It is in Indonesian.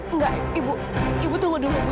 enggak ibu ibu tunggu dulu